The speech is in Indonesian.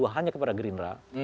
hanya kepada gerindra